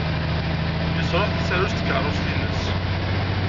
Yesṛuḥ tasarut n tkeṛṛust-nnes.